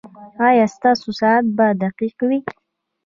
ایا ستاسو ساعت به دقیق وي؟